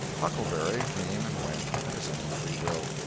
Huckleberry came and went, at his own free will.